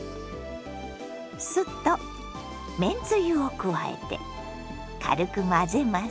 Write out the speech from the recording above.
酢とめんつゆを加えて軽く混ぜます。